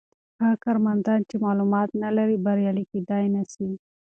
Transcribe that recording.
هغه کارمند چې معلومات نلري بریالی کیدای نسي.